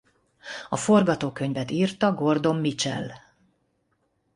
A forgatókönyvet írta Gordon Mitchell.